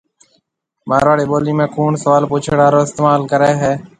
مارواڙِي ٻولِي ۾ ”ڪوُڻ“ سوال پُڇڻ هارون استمعال ڪريَ۔